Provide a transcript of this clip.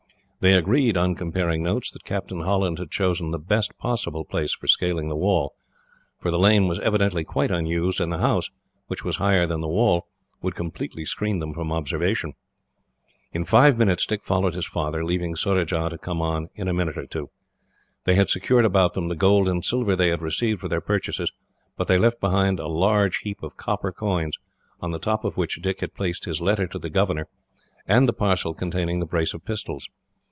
They agreed, on comparing notes, that Captain Holland had chosen the best possible place for scaling the wall, for the lane was evidently quite unused, and the house, which was higher than the wall, would completely screen them from observation. In five minutes Dick followed his father, leaving Surajah to come on in a minute or two. They had secured about them the gold and silver they had received for their purchases, but they left behind a large heap of copper coins, on the top of which Dick had placed his letter to the governor, and the parcel containing the brace of pistols.